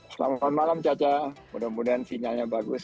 selamat malam caca mudah mudahan sinyalnya bagus